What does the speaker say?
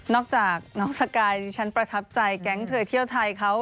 จากน้องสกายดิฉันประทับใจแก๊งเธอเที่ยวไทยเขา